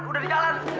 udah di jalan